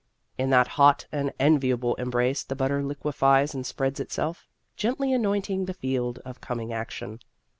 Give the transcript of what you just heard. In that hot and enviable embrace the butter liquefies and spreads itself, gently anointing the field of coming action.